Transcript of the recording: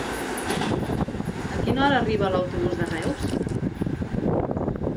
A quina hora arriba l'autobús de Reus?